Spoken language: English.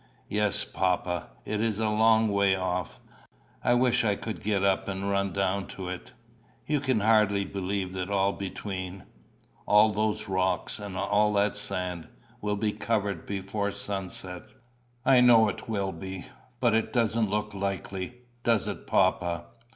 "Yes, papa; it is a long way off. I wish I could get up and run down to it." "You can hardly believe that all between, all those rocks, and all that sand, will be covered before sunset." "I know it will be. But it doesn't look likely, does it, papa!"